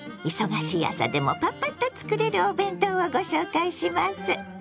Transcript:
忙しい朝でもパッパッと作れるお弁当をご紹介します。